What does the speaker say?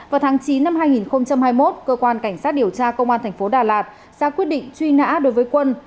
vào tháng chín năm hai nghìn hai mươi một cơ quan cảnh sát điều tra công an thành phố đà lạt ra quyết định truy nã đối với quân